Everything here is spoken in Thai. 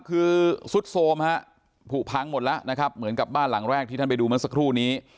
คือซุดโทรมฮะผูกพังหมดแล้วนะครับเหมือนกับบ้านหลังแรกที่ท่านไปดูเมื่อสักครู่นี้